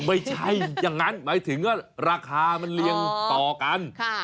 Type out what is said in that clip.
ไม่ใช่อย่างนั้นหมายถึงว่าราคามันเรียงต่อกัน